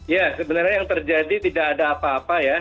ya sebenarnya yang terjadi tidak ada apa apa ya